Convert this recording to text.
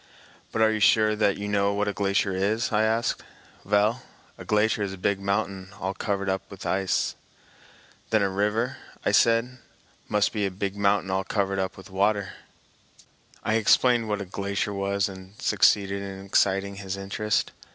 "But are you sure that you know what a glacier is?" I asked. "Vell, a glacier is a big mountain all covered up vith ice." "Then a river," said I, "must be a big mountain all covered with water." I explained what a glacier was and succeeded in exciting his interest.